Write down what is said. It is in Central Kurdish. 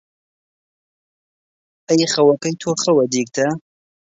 ئەی خەوەکەی تۆ خەوە دیگتە،